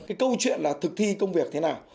cái câu chuyện là thực thi công việc thế nào